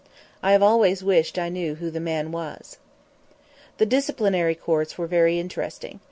I have always wished I knew who the man was. The disciplinary courts were very interesting.